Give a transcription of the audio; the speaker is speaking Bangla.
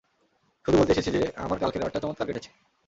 শুধু বলতে এসেছি যে, আমার কালকের রাতটা চমৎকার কেটেছে।